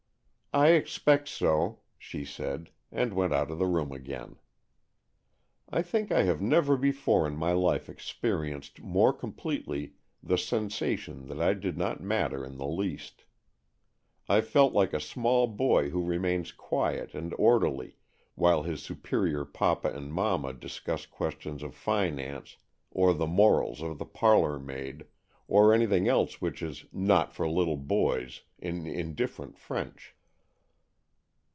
" I expect so," she said, and went out of the room again. I think I have never before in my life experienced more completely the sensation that I did not matter in the least. I felt like a small boy who remains quiet and orderly, while his superior papa and mamma discuss questions of finance, or the morals of the parlour maid, or anything else which is " not for little boys," in indifferent French.